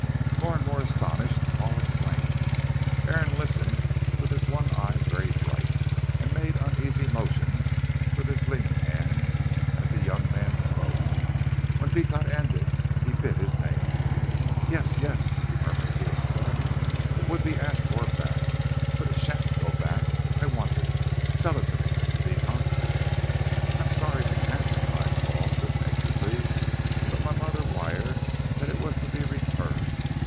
More and more astonished, Paul explained. Aaron listened with his one eye very bright, and made uneasy motions with his lean hands as the young man spoke. When Beecot ended he bit his nails. "Yes, yes," he murmured to himself, "it would be asked for back. But it sha'n't go back. I want it. Sell it to me, Mr. Beecot." "I'm sorry I can't," replied Paul, good naturedly. "But my mother wired that it was to be returned.